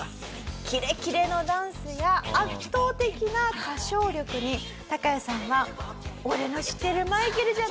キレキレのダンスや圧倒的な歌唱力にタカヤさんは「俺の知ってるマイケルじゃない！